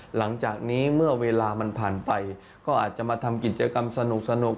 หลังจากนี้เมื่อเวลามันผ่านไปก็อาจจะมาทำกิจกรรมสนุก